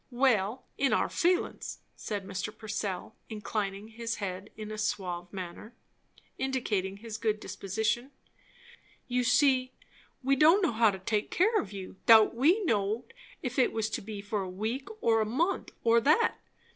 "Well, in our feelin's," said Mr. Purcell, inclining his head in a suave manner, indicating his good disposition. "You see, we don' know how to take care of you, 'thout we knowed if it was to be for a week, or a month, or that.